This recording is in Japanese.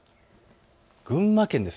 群馬県です。